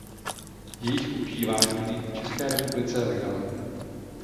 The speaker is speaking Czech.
Jejich používání není v České republice legální.